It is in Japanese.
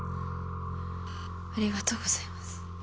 ありがとうございます。